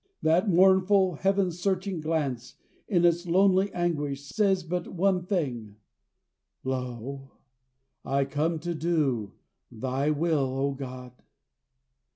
That mournful, heaven searching glance, in its lonely anguish, says but one thing: "Lo, I come to do thy will, O God."